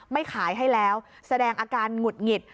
ไม่ขายให้แล้วแสดงอาการหงุดหงิด